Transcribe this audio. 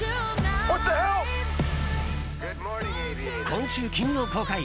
今週金曜公開